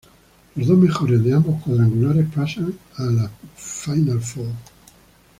Los dos mejores de ambos cuadrangulares pasan al "Final Four".